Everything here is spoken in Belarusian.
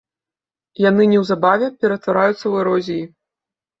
Яны неўзабаве ператвараюцца ў эрозіі.